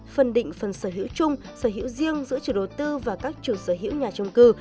phân định phần sở hữu chung sở hữu riêng giữa chủ đầu tư và các chủ sở hữu nhà trung cư